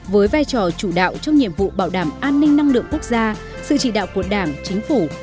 với vai trò chủ đạo trong nhiệm vụ bảo đảm an ninh năng lượng quốc gia sự chỉ đạo của đảng chính phủ